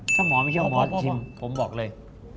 ถ้าหมอไม่เชื่อว่าหมอชิมผมบอกเลย